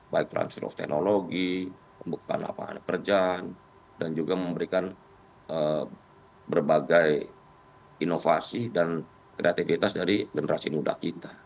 baik transfer of technology pembukaan lapangan kerja dan juga memberikan berbagai inovasi dan kreativitas dari generasi muda kita